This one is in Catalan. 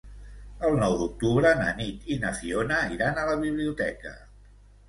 El nou d'octubre na Nit i na Fiona iran a la biblioteca.